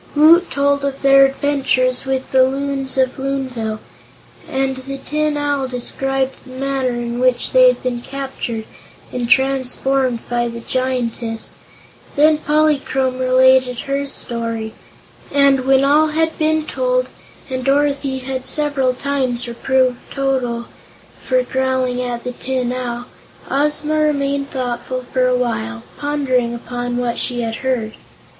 Woot told of their adventures with the Loons of Loonville, and the Tin Owl described the manner in which they had been captured and transformed by the Giantess. Then Polychrome related her story, and when all had been told, and Dorothy had several times reproved Toto for growling at the Tin Owl, Ozma remained thoughtful for a while, pondering upon what she had heard.